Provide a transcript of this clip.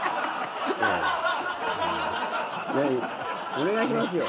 お願いしますよ。